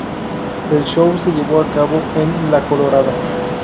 El show se llevó a cabo en ""La Colorada"".